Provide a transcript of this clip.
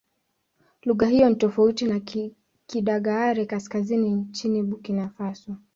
Lugha hiyo ni tofauti na Kidagaare-Kaskazini nchini Burkina Faso.